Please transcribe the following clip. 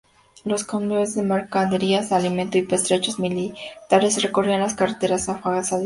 Los convoyes de mercaderías, alimentos y pertrechos militares recorrían las carreteras afganas a diario.